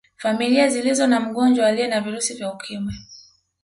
Familia zilizo na mgonjwa aliye na virusi vya Ukimwi